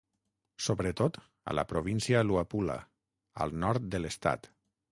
Sobretot a la província Luapula, al nord de l'estat.